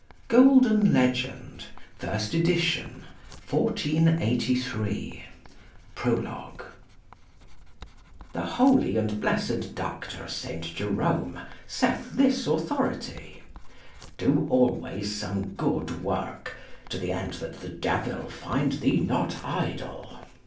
GOLDEN LEGEND. FIRST EDITION (1483). PROLOGUE The Holy and blessed doctor Saint Jerome saith this authority, "Do always some good work to the end that the devil find thee not Idle."